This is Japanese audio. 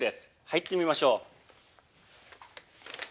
入ってみましょう。